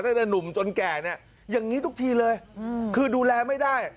ตั้งแต่หนุ่มจนแก่เนี่ยอย่างนี้ทุกทีเลยคือดูแลไม่ได้